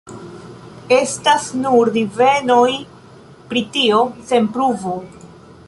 Estas nur divenoj pri tio, sen pruvo.